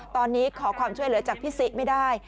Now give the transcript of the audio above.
ตอนนี้ขอความช่วยเหลือจากพี่ซิไม่ได้